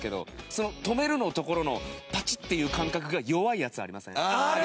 その「止める」のところのパチッていう感覚が弱いやつありません？